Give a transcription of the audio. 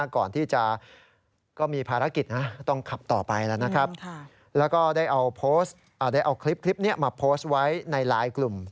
ก่อนที่จะก็มีภารกิจนะต้องขับต่อไปแล้วนะครับแล้วก็ได้เอาคลิปนี้มาโพสต์ไว้ในไลน์กลุ่ม